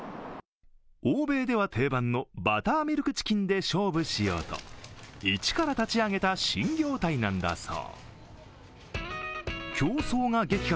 欧米では定番のバターミルクチキンで勝負しようと一から立ち上げた新業態なんだそう。